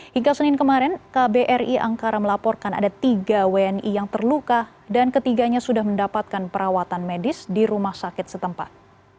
hingga senin kemarin kbri angkara melaporkan ada tiga wni yang terluka dan ketiganya sudah mendapatkan perawatan medis di rumah sakit setempat